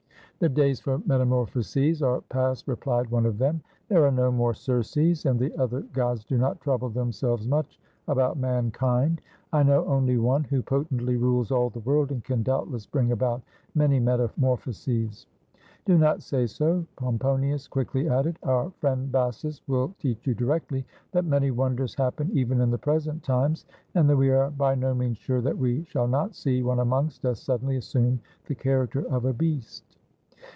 "The days for metamorphoses are past," replied one of them. "There are no more Circes, and the other gods do not trouble themselves much about mankind. I know only one, who potently rules all the world, and can doubtless bring about many metamorphoses." "Do not say so," Pomponius quickly added; "our friend Bassus will teach you directly that many won ders happen even in the present times, and that we are by no means sure that we shall not see one amongst us suddenly assume the character of a beast."